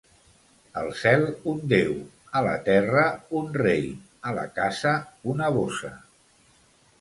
Al cel, un Déu; a la terra, un rei; a la casa, una bossa.